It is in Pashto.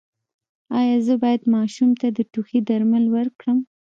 ایا زه باید ماشوم ته د ټوخي درمل ورکړم؟